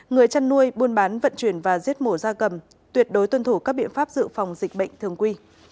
người chăn nuôi buôn bán vận chuyển và giết mổ da cầm tuyệt đối tuân thủ các biện pháp dự phòng dịch bệnh thường quy